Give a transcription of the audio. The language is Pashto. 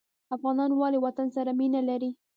افغانان ولې وطن سره مینه لري؟